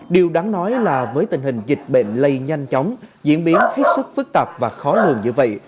điều đáng nói là với tình hình dịch bệnh lây nhanh chóng diễn biến hết sức phức tạp và khó lường như vậy